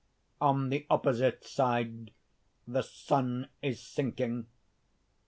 On the opposite side the sun is sinking.